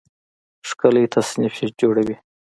ښکلی تصنیف جوړوي